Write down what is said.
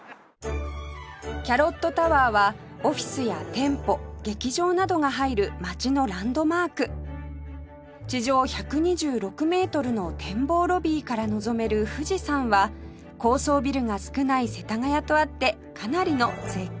キャロットタワーはオフィスや店舗劇場などが入る街のランドマーク地上１２６メートルの展望ロビーから望める富士山は高層ビルが少ない世田谷とあってかなりの絶景です